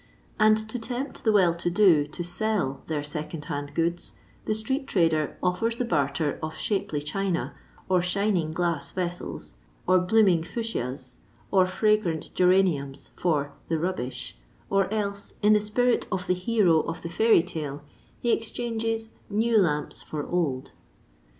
And to tempt the well to do to tell their second hand goods, the street trader offers the barter of shapely china or shining glass vessels ; or blooming fuchsias or fragrant geraniums for "the rubbish," or else, in the spirit of the hero of the fairy tale, he exchanges, " new lamps for old."